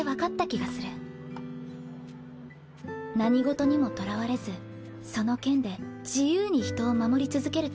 何事にもとらわれずその剣で自由に人を守り続けるため